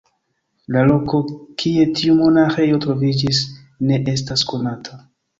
La loko, kie tiu monaĥejo troviĝis ne estas konata.